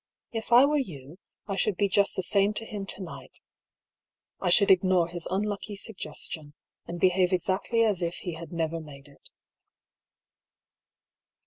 " If I were you, I should be just the same to him to night: I should ignore his unlucky suggestion, and behaye exactly as if he had never made it."